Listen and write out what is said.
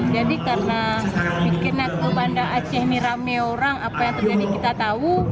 jadi karena di kena ke bandar aceh ini rame orang apa yang terjadi kita tahu